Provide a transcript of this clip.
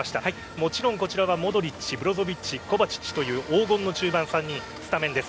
もちろんこちらはモドリッチ、ブロゾヴィッチコヴァチッチという黄金の中盤３人スタメンです。